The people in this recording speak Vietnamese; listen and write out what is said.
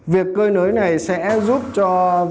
việc cơi nới này sẽ giúp cho